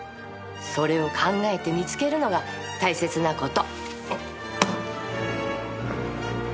それを考えて見つけるのが大切なこと。